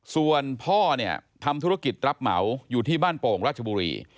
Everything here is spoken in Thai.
ส่วนพ่อเนี่ยทำธุรกิจรับเหมาอยู่ที่บ้านโป่งราชบุรี